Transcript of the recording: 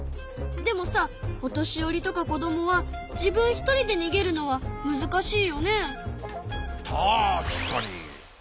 でもさお年寄りとか子どもは自分一人でにげるのはむずかしいよね。